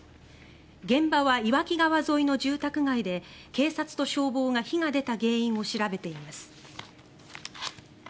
現場は岩木川沿いの住宅街で警察と消防が火が出た原因を調べています。